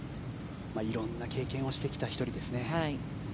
色んな経験をしてきた１人ですね。